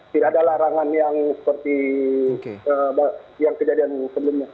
tidak ada larangan yang seperti yang kejadian sebelumnya